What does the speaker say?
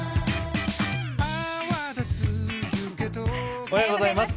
おはようございます。